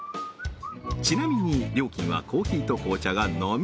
ちなみに料金はコーヒーと紅茶が飲み